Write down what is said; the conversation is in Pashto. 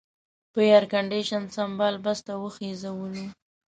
په ایرکنډېشن سمبال بس ته وخېژولو.